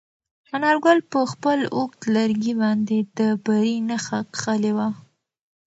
انارګل په خپل اوږد لرګي باندې د بري نښه کښلې وه.